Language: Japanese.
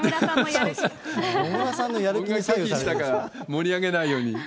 野村さんのやる気に左右され盛り上げないように。